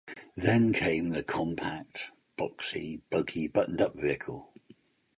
Then came the compact, boxy, buggy, buttoned-up vehicle.